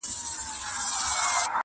کرونا جدی وګڼی!!. !.